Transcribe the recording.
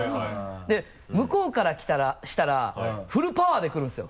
で向こうからしたらフルパワーで来るんですよ。